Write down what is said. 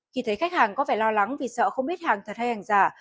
khi thấy khách hàng có phải lo lắng vì sợ không biết hàng thật hay hàng giả